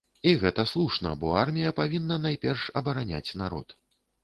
І гэта слушна, бо армія павінна, найперш, абараняць народ.